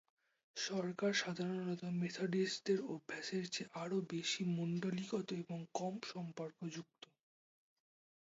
সরকার সাধারণত মেথডিস্টদের অভ্যাসের চেয়ে আরও বেশি মণ্ডলীগত এবং কম সম্পর্কযুক্ত।